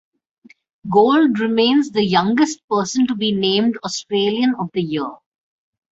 Gould remains the youngest person to be named Australian of the Year.